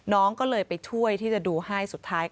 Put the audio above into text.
น้องก็เลยไปช่วยที่จะดูให้สุดท้าย